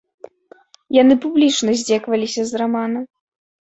Яны публічна здзекаваліся з рамана.